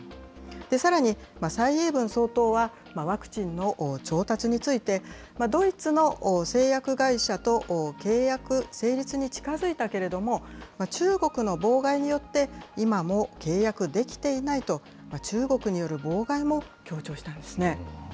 さらに、蔡英文総統はワクチンの調達について、ドイツの製薬会社と契約成立に近づいたけれども、中国の妨害によって、今も契約できていないと、中国による妨害も強調したんですね。